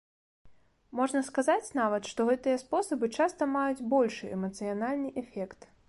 Можна сказаць нават, што гэтыя спосабы часта маюць большы эмацыянальны эфект.